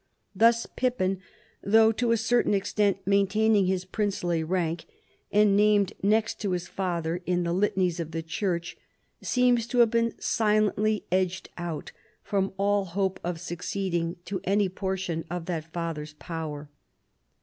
Thus Pippin, though to a certain extent maintaining his princely rank, and named next to his father in the litanies of the Church, seems to have been silently edged out from all hope of suc ceeding to an}'^ portion of that father's power.